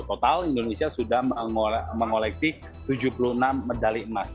total indonesia sudah mengoleksi tujuh puluh enam medali emas